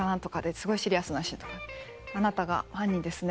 すごいシリアスなシーンとかで「あなたが犯人ですね」